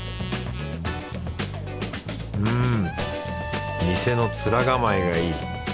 うん店の面構えがいい。